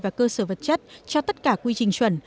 và cơ sở vật chất cho tất cả quy trình chuẩn